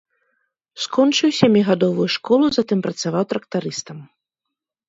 Скончыў сямігадовую школу, затым працаваў трактарыстам.